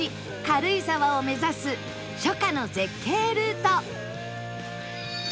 軽井沢を目指す初夏の絶景ルート